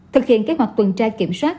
thực hiện kế hoạch tuần trai kiểm soát